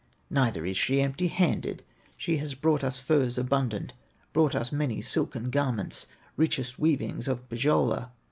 Neither is she empty handed, She has brought us furs abundant, Brought us many silken garments, Richest weavings of Pohyola.